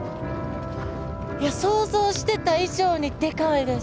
いや想像してた以上にでかいです。